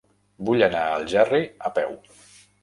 Vull anar a Algerri a peu.